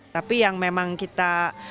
tapi yang memang kita